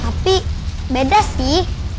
tapi beda sih